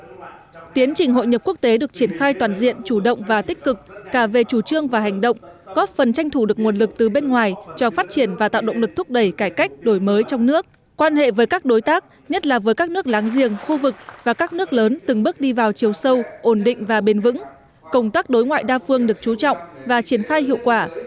tuy nhiên tiến trình hội nhập quốc tế được triển khai toàn diện chủ động và tích cực cả về chủ trương và hành động góp phần tranh thủ được nguồn lực từ bên ngoài cho phát triển và tạo động lực thúc đẩy cải cách đổi mới trong nước quan hệ với các đối tác nhất là với các nước láng giềng khu vực và các nước lớn từng bước đi vào chiều sâu ổn định và bền vững công tác đối ngoại đa phương được chú trọng và triển khai hiệu quả